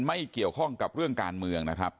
ไม่เกี่ยวข้องกับเรื่องการเมืองนะครับ